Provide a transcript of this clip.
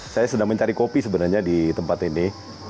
saya sedang mencari kopi sebenarnya di tempat ini